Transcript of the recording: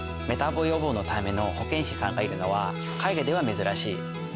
メタボ予防のための保健師さんがいるのは海外では珍しい。